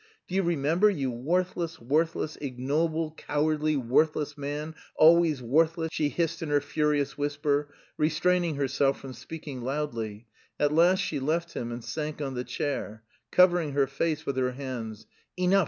"Do you remember, you worthless, worthless, ignoble, cowardly, worthless man, always worthless!" she hissed in her furious whisper, restraining herself from speaking loudly. At last she left him and sank on the chair, covering her face with her hands. "Enough!"